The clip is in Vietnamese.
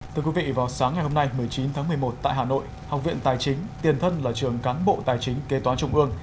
thưa quý vị vào sáng ngày hôm nay một mươi chín tháng một mươi một tại hà nội học viện tài chính tiền thân là trường cán bộ tài chính kế toán trung ương